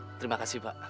oh terima kasih pak